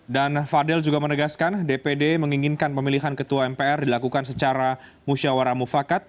dan fadil juga menegaskan dpd menginginkan pemilihan ketua mpr dilakukan secara musyawarah mufakat